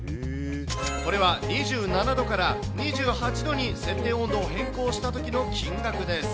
これは２７度から２８度に設定温度を変更したときの金額です。